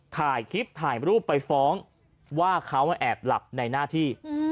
ถ่ายคลิปถ่ายรูปไปฟ้องว่าเขาแอบหลับในหน้าที่